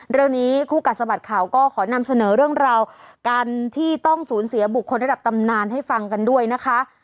คู่กัดสะบัดข่าวก็ขอนำเสนอเรื่องราวกันที่ต้องสูญเสียบุคคลระดับตำนานให้ฟังกันด้วยนะคะ